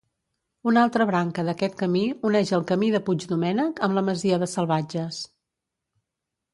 Una altra branca d'aquest camí uneix el Camí de Puigdomènec amb la masia de Salvatges.